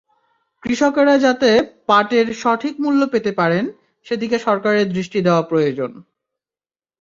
কৃষকেরা যাতে পাটের সঠিক মূল্য পেতে পারেন, সেদিকে সরকারের দৃষ্টি দেওয়া প্রয়োজন।